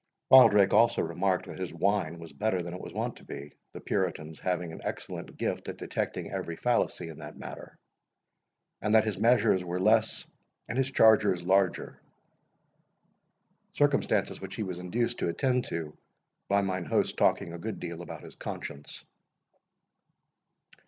Wildrake also remarked, that his wine was better than it was wont to be, the Puritans having an excellent gift at detecting every fallacy in that matter; and that his measures were less and his charges larger—circumstances which he was induced to attend to, by mine host talking a good deal about his conscience.